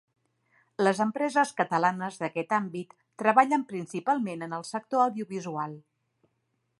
Les empreses catalanes d'aquest àmbit treballen principalment en el sector audiovisual.